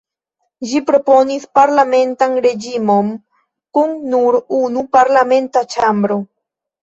Ĝi proponis parlamentan reĝimon, kun nur unu parlamenta ĉambro.